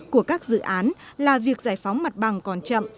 của các dự án là việc giải phóng mặt bằng còn chậm